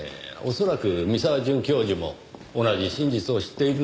恐らく三沢准教授も同じ真実を知っているのでしょう。